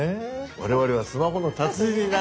我々はスマホの達人になるんですから。